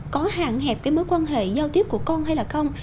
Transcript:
có hạn hẹp cái mối quan hệ giao tiếp của con hay là không